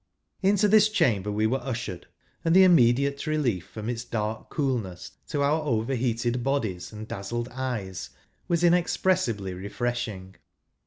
Into this chamber we were ushered, and j the immediate relief from its dark coolness to i our overheated bodies and dazzled eyes was inexpressibly refreshing.